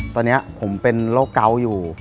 ตอนนี้ผมเป็นโรคเกาะอยู่